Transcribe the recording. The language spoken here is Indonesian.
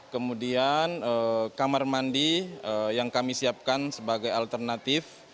kemudian kamar mandi yang kami siapkan sebagai alternatif